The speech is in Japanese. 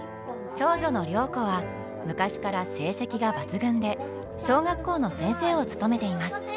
長女の良子は昔から成績が抜群で小学校の先生を務めています。